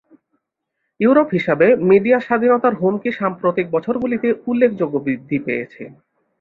Europe হিসাবে, media স্বাধীনতার হুমকি সাম্প্রতিক বছরগুলিতে উল্লেখযোগ্য বৃদ্ধি পেয়েছে।